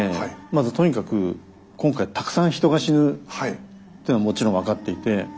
まずとにかく今回たくさん人が死ぬというのはもちろん分かっていて。